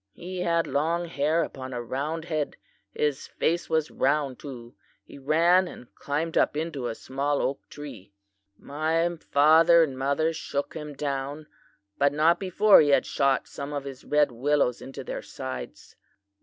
He had long hair upon a round head. His face was round, too. He ran and climbed up into a small oak tree. "'My father and mother shook him down, but not before he had shot some of his red willows into their sides.